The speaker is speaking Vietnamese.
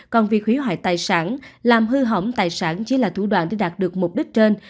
còn việc hủy hoại tài sản làm hư hỏng tài sản chỉ là thủ đoạn để đạt được mục đích trên